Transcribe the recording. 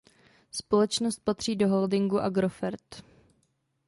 Společnost patří do holdingu Agrofert.